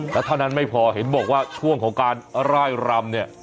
แล้วเท่านั้นไม่พอเห็นบอกว่าช่วงของการร่ายรำเนี่ย